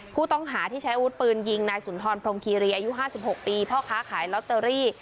ผู้ต้องหาที่ใช้อุดปืนยิงนายสุนทรพรมคีรีอายุห้าสิบหกปีเพราะค้าขายล็อตเตอรี่